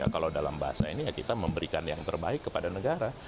kalau dalam bahasa ini ya kita memberikan yang terbaik kepada negara